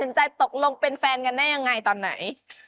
ต่อสินใจตกลงเป็นแฟนกันได้อย่างไรตอนไหน